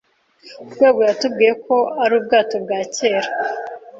Rwego yatubwiye ko ari ubwato bwa kera.